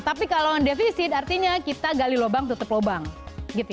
tapi kalau defisit artinya kita gali lubang tutup lubang